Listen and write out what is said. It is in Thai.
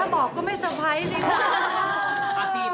ถ้าบอกก็ไม่สไพส์สินะ